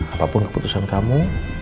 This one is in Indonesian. apapun keputusan kamu